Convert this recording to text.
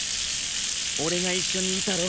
俺が一緒にいたろ